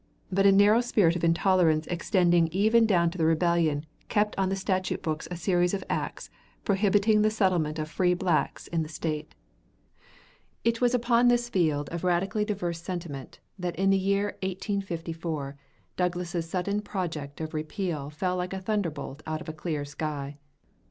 But a narrow spirit of intolerance extending even down to the rebellion kept on the statute books a series of acts prohibiting the settlement of free blacks in the State. It was upon this field of radically diverse sentiment that in the year 1854 Douglas's sudden project of repeal fell like a thunderbolt out of a clear sky.